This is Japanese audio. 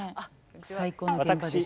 最高の現場でした今回。